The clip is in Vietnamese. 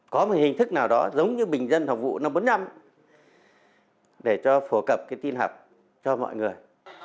có một hình thức nào đó giống như bình dân học vụ năm bốn mươi năm để cho phổ cập cái tin học cho mọi người